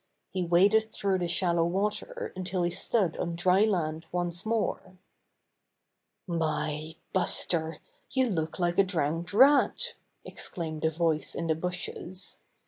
He waded through the shallow water until he stood on dry land once more. ^^My, Buster, you look like a drowned rat!" exclaimed a voice in the bushes.